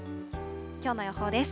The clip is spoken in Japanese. きょうの予報です。